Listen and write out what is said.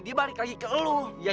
dia akan kembali kepadamu